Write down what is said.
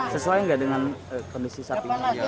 sesuai nggak dengan kondisi sapinya